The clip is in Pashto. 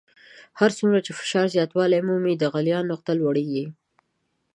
هر څومره چې فشار زیاتوالی مومي د غلیان نقطه لوړیږي.